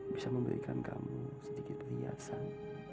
bisa memberikan kamu sedikit riasan